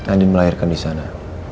andi melahirkan di sana